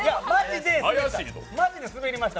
マジでスベりました。